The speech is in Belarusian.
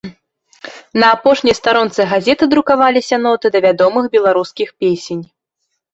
На апошняй старонцы газеты друкаваліся ноты да вядомых беларускіх песень.